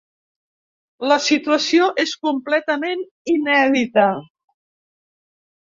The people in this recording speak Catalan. La situació és completament inèdita.